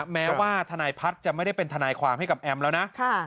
แม้ว่าทนายพัฒน์จะไม่ได้เป็นทนายความให้กับแอมแล้วนะ